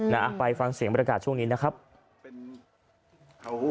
จะลึกออกเราไม่ลึกออกได้